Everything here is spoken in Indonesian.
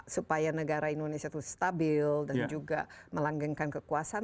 supaya negara indonesia itu stabil dan juga melanggengkan kekuasaan